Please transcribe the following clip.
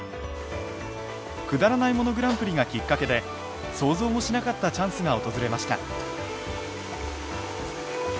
くだらないものグランプリがきっかけで想像もしなかったチャンスが訪れました。